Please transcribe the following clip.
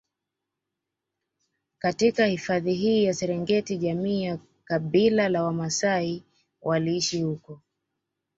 katika hifadhi hii ya Serengeti jamii ya Kabila la Wamaasai waliishi huko